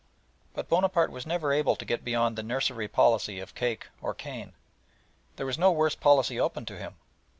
But Bonaparte was never able to get beyond the nursery policy of cake or cane. There was no worse policy open to him.